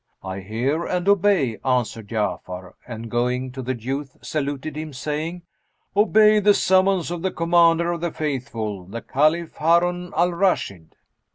"I hear and obey," answered Ja'afar and, going to the youth, saluted him, saying, "Obey the summons of the Commander of the Faithful, the Caliph Harun al Rashid."